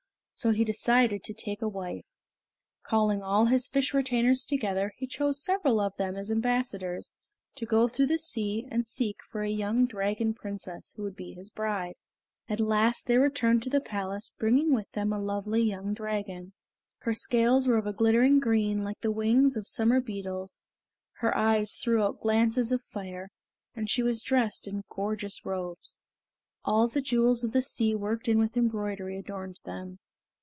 So he decided to take a wife. Calling all his fish retainers together, he chose several of them as ambassadors to go through the sea and seek for a young Dragon Princess who would be his bride. At last they returned to the palace bringing with them a lovely young dragon. Her scales were of a glittering green like the wings of summer beetles, her eyes threw out glances of fire, and she was dressed in gorgeous robes. All the jewels of the sea worked in with embroidery adorned them.